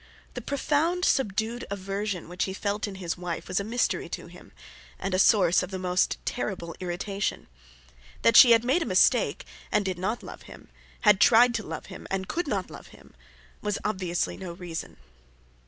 The profound, subdued aversion which he felt in his wife was a mystery to him, and a source of the most terrible irritation. That she had made a mistake, and did not love him, had tried to love him and could not love him, was obviously no reason.